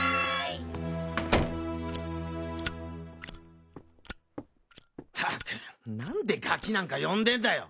ったくなんでガキなんか呼んでんだよ。